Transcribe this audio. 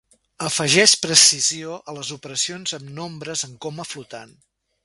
Afegeix precisió a les operacions amb nombres en coma flotant.